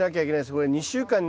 これ２週間に。